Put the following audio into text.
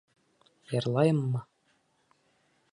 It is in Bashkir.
Йырлайыммы?